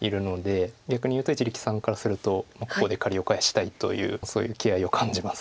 逆に言うと一力さんからするとここで借りを返したいというそういう気合いを感じます。